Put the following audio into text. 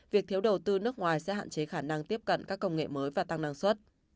việc thiếu đầu tư nước ngoài sẽ hạn chế khả năng tiếp cận các công nghệ mới và tăng năng suất